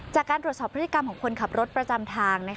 จากการตรวจสอบพฤติกรรมของคนขับรถประจำทาง